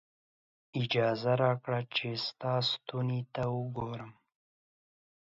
اجازه راکړئ چې ستا ستوني ته وګورم.